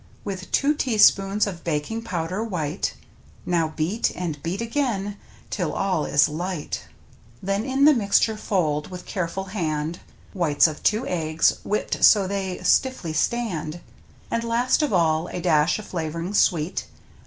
— With two teaspoons of baking powder white. Now beat — and beat again — till all is light; =^"^ Then in the mixture fold with careful hand Whites of two eggs, whipped so they stiffly stand, And, last of all, a dash of flav'ring sweet.